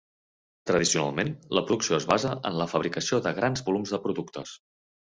Tradicionalment, la producció es basa en la fabricació de grans volums de productes.